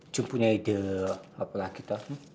jum punya ide apa lagi tau